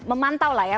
memantau lah ya